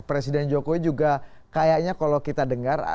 presiden jokowi juga kayaknya kalau kita dengar